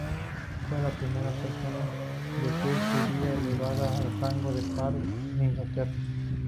Fue la primera persona de fe judía elevada al rango de "Par de Inglaterra".